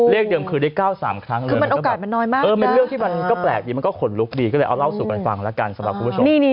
เรียกเดิมคือได้๙๓ครั้งเลยมันก็แปลกดีมันก็ขนลุกดีก็เลยเอาเล่าสู่กันฟังแล้วกันสำหรับคุณผู้ชม